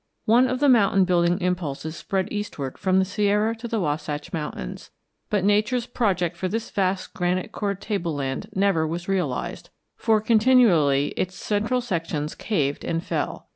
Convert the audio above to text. One of the mountain building impulses spread eastward from the Sierra to the Wasatch Mountains, but Nature's project for this vast granite cored tableland never was realized, for continually its central sections caved and fell.